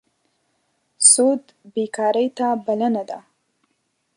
سود بېکارۍ ته بلنه ده.